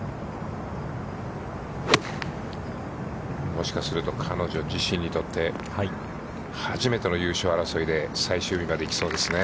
もしかすると、彼女自身にとって、初めての優勝争いで、最終日まで行きそうですね。